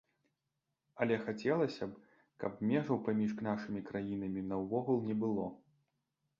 Але хацелася б, каб межаў паміж нашымі краінамі наогул не было.